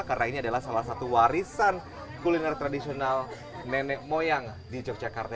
karena ini adalah salah satu warisan kuliner tradisional nenek moyang di yogyakarta ini